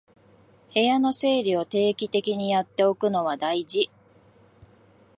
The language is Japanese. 部屋の整理を定期的にやっておくのは大事